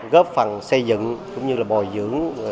góp phần xây dựng cũng như là bồi dưỡng